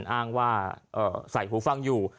อ้างว่าใส่หูฟังอยู่